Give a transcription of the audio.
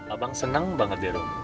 abang seneng banget ya rom